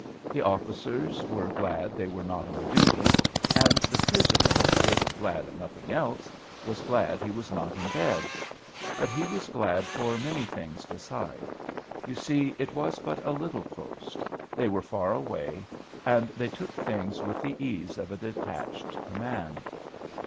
The officers were glad they were not on duty; and the prisoner, if glad of nothing else, was glad he was not in bed. But he was glad for many things beside. You see it was but a little post. They were far away; and they took things with the ease of a detached command.